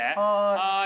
はい。